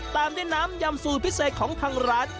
ตามด้วยน้ำยำสูตรพิเศษของทางร้าน